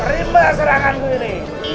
berimba seranganku ini